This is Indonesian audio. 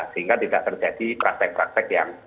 sehingga tidak terjadi prasek prasek yang